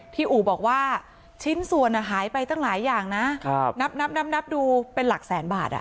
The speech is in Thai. อู่บอกว่าชิ้นส่วนหายไปตั้งหลายอย่างนะนับนับดูเป็นหลักแสนบาท